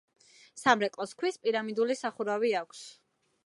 სამრეკლოს ქვის პირამიდული სახურავი აქვს.